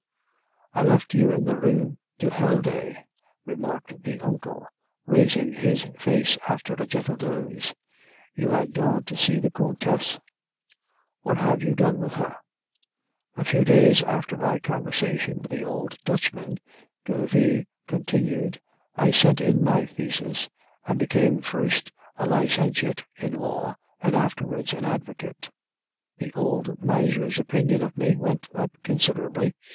"I left you in the Rue du Helder," remarked the uncle, raising his face after a gentle doze. "You had gone to see a Countess; what have you done with her?" "A few days after my conversation with the old Dutchman," Derville continued, "I sent in my thesis, and became first a licentiate in law, and afterwards an advocate. The old miser's opinion of me went up considerably.